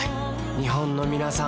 日本のみなさん